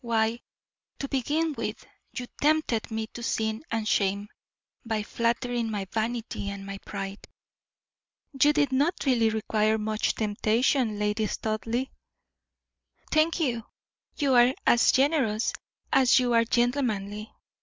Why, to begin with, you tempted me to sin and shame, by flattering my vanity and my pride " "You did not really require much temptation, Lady Studleigh." "Thank you you are as generous as you are gentlemanly.